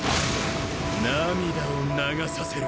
涙を流させる。